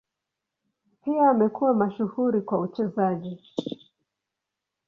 Pia amekuwa mashuhuri kwa uchezaji.